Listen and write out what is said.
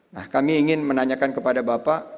nah kami ingin menanyakan kepada bapak